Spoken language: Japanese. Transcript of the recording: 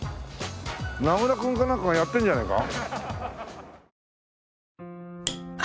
名倉君かなんかがやってるんじゃないか？